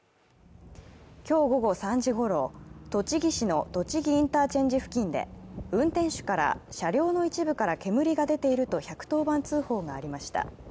今日午後３時ごろ、栃木市の栃木インターチェンジ付近で、運転手から車両の一部から煙が出ていると１１０番通報がありました。